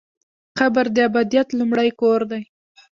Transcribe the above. قبر د ابدیت لومړی کور دی